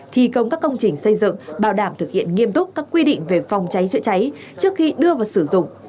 thi công các công trình xây dựng bảo đảm thực hiện nghiêm túc các quy định về phòng cháy chữa cháy trước khi đưa vào sử dụng